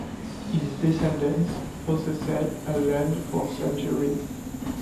His descendants possessed the land for centuries.